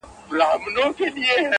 • تا بندولې سرې خولۍ هغه یې زور واخیست,